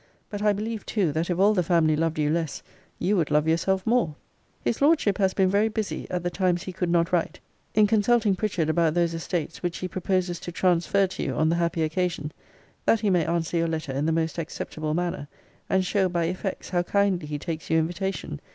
But I believe too, that if all the family loved you less, you would love yourself more. His Lordship has been very busy, at the times he could not write, in consulting Pritchard about those estates which he proposes to transfer to you on the happy occasion, that he may answer your letter in the most acceptable manner; and show, by effects, how kindly he takes your invitation.